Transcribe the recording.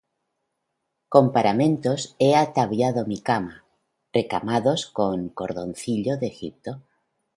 Con paramentos he ataviado mi cama, Recamados con cordoncillo de Egipto.